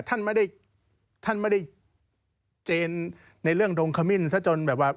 แต่ท่านไม่ได้เจนในเรื่องดงคมิ้นซะจนแบบว่า